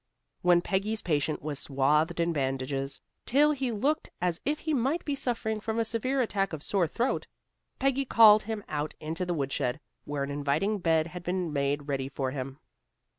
When Peggy's patient was swathed in bandages, till he looked as if he might be suffering from a severe attack of sore throat, Peggy called him out into the woodshed, where an inviting bed had been made ready for him.